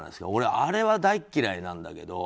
あれは大嫌いなんだけど。